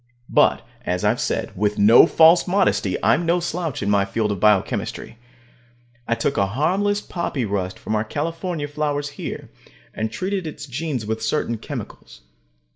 But, as I've said, with no false modesty, I'm no slouch in my field of biochemistry. I took a harmless poppy rust from our California flowers here, and treated its genes with certain chemicals.